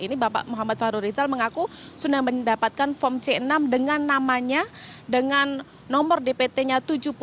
ini bapak muhammad fahru rizal mengaku sudah mendapatkan form c enam dengan namanya dengan nomor dpt nya tujuh puluh